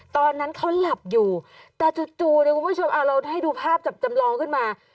ตอนนั้นเขาหลับอยู่แต่จู่เนี่ยคุณผู้ชมเอาเราให้ดูภาพจับจำลองขึ้นมา